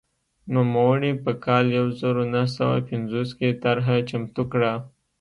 نوموړي په کال یو زر نهه سوه پنځوس کې طرحه چمتو کړه.